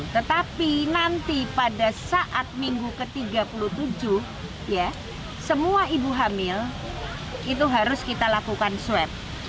tetapi nanti pada saat minggu ke tiga puluh tujuh ya semua ibu hamil itu harus kita lakukan swab